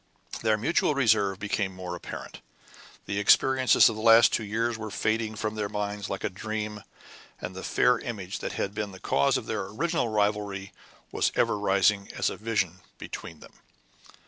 Their mutual reserve became more apparent; the experiences of the last two years were fading from their minds like a dream; and the fair image that had been the cause of their original rivalry was ever rising, as a vision, between them.